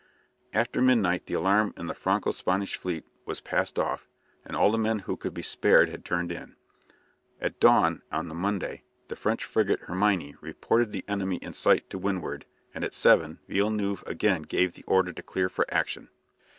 After midnight the alarm in the Franco Spanish fleet had passed off, and all the men who could be spared had turned in. At dawn on the Monday the French frigate "Hermione" reported the enemy in sight to windward, and at seven Villeneuve again gave the order to clear for action.